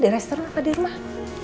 di restoran apa di rumah